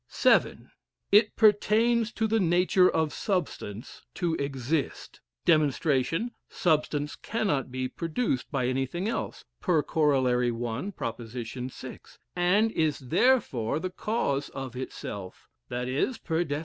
VII. It pertains to the nature of substance to exist. Dem. Substance cannot be produced by anything else (per coroli. prop, six,) and is therefore the cause of itself that is (per def.